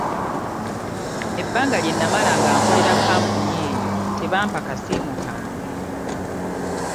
Ebbanga lye namala nga nkolera kampuni eyo tebampa kasiimo kange.